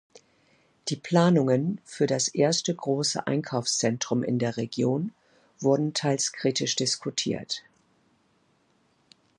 Die Planungen für das erste große Einkaufszentrum in der Region wurden teils kritisch diskutiert.